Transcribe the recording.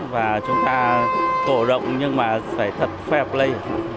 và chúng ta cổ động nhưng mà phải thật fair play